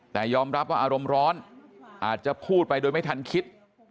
แต่ยอมรับว่าอารมณ์ร้อนอาจจะพูดไปโดยไม่ทันคิด